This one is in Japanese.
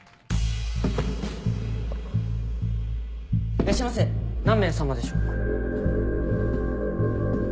いらっしゃいませ何名様でしょうか。